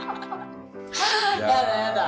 やだやだ。